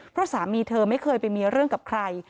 เพราะสามีเธอไม่เคยไปมีเรื่องกับใคร